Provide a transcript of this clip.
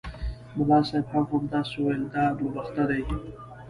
ملا صاحب هم همداسې ویل دا دوه بخته دي.